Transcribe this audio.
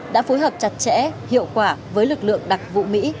đã phối hợp chặt chẽ hiệu quả với lực lượng đặc vụ mỹ